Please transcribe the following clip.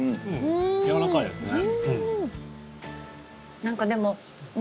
やわらかいですね。